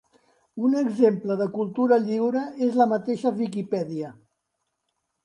Un exemple de cultura lliure és la mateixa Viquipèdia.